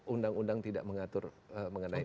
undang undang tidak mengatur mengenai